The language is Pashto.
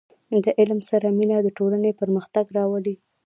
• د علم سره مینه، د ټولنې پرمختګ راولي.